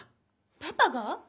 パパが？